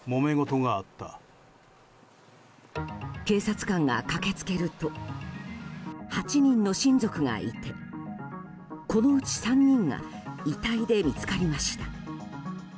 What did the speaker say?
警察官が駆け付けると８人の親族がいてこのうち３人が遺体で見つかりました。